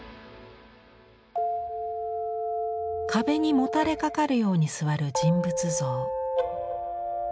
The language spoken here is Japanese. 壁にもたれかかるように座る人物像。